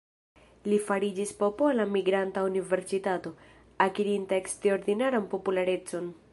Li fariĝis popola "migranta universitato", akirinta eksterordinaran popularecon.